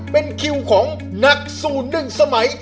เป็นคิวของนักสู้หนึ่งสมัย